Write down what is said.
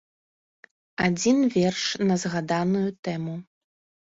Адзін верш на згаданую тэму.